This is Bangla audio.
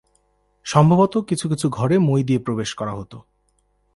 সম্ভবত কিছু কিছু ঘরে মই দিয়ে প্রবেশ করা হতো।